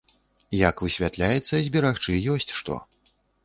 Як высвятляецца, зберагчы ёсць што.